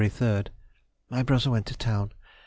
3rd._—My brother went to town.